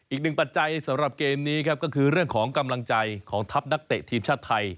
ปัจจัยสำหรับเกมนี้ครับก็คือเรื่องของกำลังใจของทัพนักเตะทีมชาติไทย